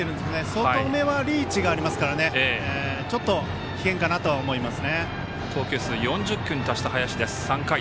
外めはリーチがありますからちょっと危険かなと思います。